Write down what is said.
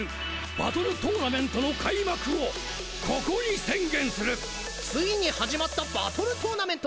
バトルトーナメントの開幕をここに宣言するついに始まったバトルトーナメント！